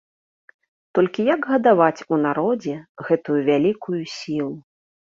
Толькі як гадаваць у народзе гэтую вялікую сілу?